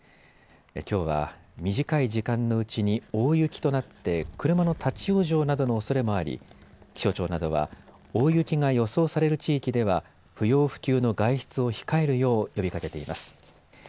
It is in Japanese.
きょうは短い時間のうちに大雪となって車の立往生などのおそれもあり気象庁などは大雪が予想される地域では不要不急の外出を控えるよう呼びかけています。